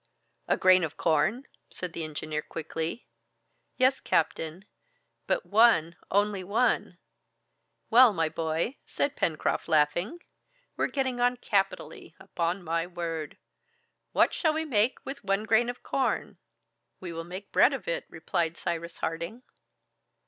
"A grain of corn?" said the engineer quickly. "Yes, captain; but one, only one!" "Well, my boy," said Pencroft, laughing, "we're getting on capitally, upon my word! What shall we make with one grain of corn?" "We will make bread of it," replied Cyrus Harding.